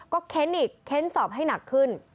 เค้นอีกเค้นสอบให้หนักขึ้น